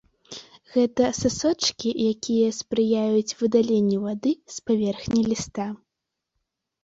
Гэта сасочкі, якія спрыяюць выдаленню вады з паверхні ліста.